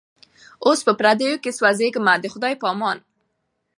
اوس په پردیو کي سوځېږمه د خدای په امان